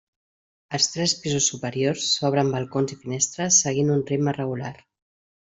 Als tres pisos superiors s'obren balcons i finestres seguint un ritme regular.